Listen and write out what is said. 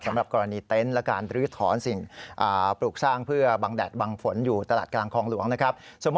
สำหรับกรณีเต็นต์และการลื้อถอนสิ่งปลูกสร้างเพื่อบังแดดบังฝนอยู่ตลาดกลางคลองหลวงนะครับ